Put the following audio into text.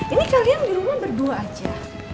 ini kalian di rumah berdua aja